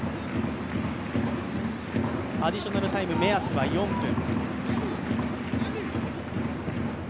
アディショナルタイム目安は４分。